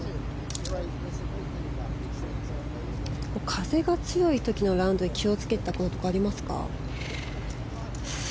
風が強い時のラウンドで気を付けていたこととかありますか？